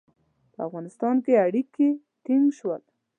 په افغانستان کې اړیکي ټینګ شول.